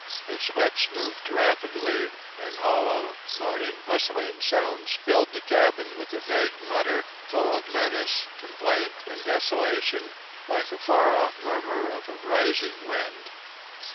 Its lips moved rapidly; and hollow, moaning, whistling sounds filled the cabin with a vague mutter full of menace, complaint and desolation, like the far off murmur of a rising wind.